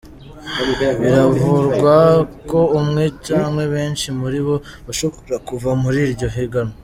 Biravurwa ko umwe canke benshi muri bo bashobora kuva muri iryo higanwa.